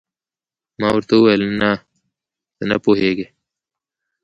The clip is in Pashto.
ما ورته وویل: نه، ته نه پوهېږې.